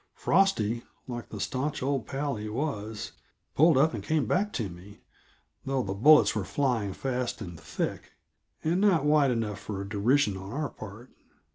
Frosty, like the stanch old pal he was, pulled up and came back to me, though the bullets were flying fast and thick and not wide enough for derision on our part.